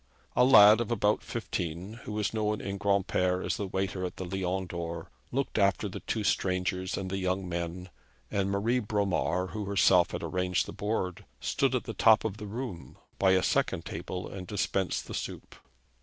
A lad of about fifteen, who was known in Granpere as the waiter at the Lion d'Or, looked after the two strangers and the young men, and Marie Bromar, who herself had arranged the board, stood at the top of the room, by a second table, and dispensed the soup.